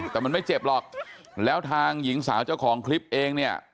แต่มันไม่เจ็บหรอกแล้วทางหญิงสาวเจ้าของคลิปเองเนี่ย